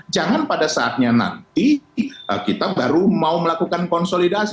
jangan pada saatnya nanti kita baru mau melakukan konsolidasi